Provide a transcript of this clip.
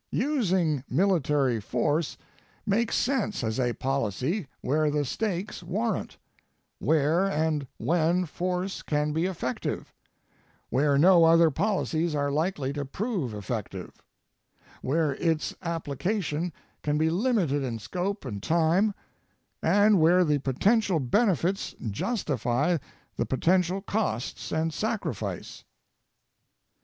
Using military force makes sense as a policy where the stakes warrant, where and when force can be effective, where no other policies are likely to prove effective, where its application can be limited in scope and time, and where the potential benefits justify the potential costs and sacrifice.